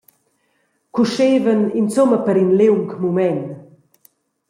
Cuschevan insumma per in liung mument.